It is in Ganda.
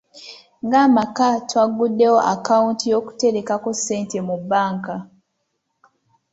Ng'amaka twaguddewo akawunti y'okuterekako ssente mu bbanka.